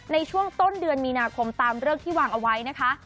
ในช่วงต้นเดือนมีนาคมตามเลิกที่วางเอาไว้นะคะ